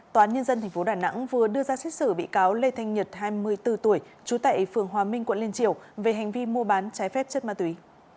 toán nhân dân thành phố đà nẵng vừa đưa ra xét xử bị cáo lê thanh nhật hai mươi bốn tuổi trú tại phường hòa minh quận lên triều về hành vi mua bán trái phép chất ma túy